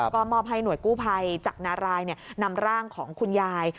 ก็มอบให้หน่วยกู้ภัยจากนารายนำร่างของคุณยาย